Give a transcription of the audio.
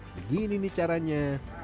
begini nih caranya